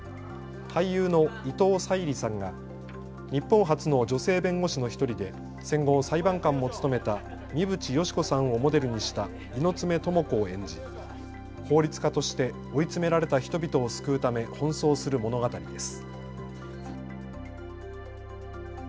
俳優の伊藤沙莉さんが日本初の女性弁護士の１人で戦後、裁判官も務めた三淵嘉子さんをモデルにした猪爪寅子を演じ法律家として追い詰められた人々を救うため奔走する物語です。